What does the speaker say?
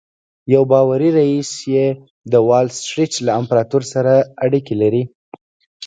یو باوري ريیس یې د وال سټریټ له امپراتور سره اړیکې لري